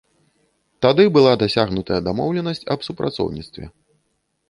Тады была дасягнутая дамоўленасць аб супрацоўніцтве.